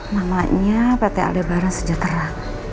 namanya pt aldebaran sejahtera